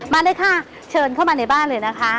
มาเลยค่ะเชิญเข้ามาในบ้านเลยนะคะ